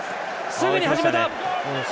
すぐに始めた！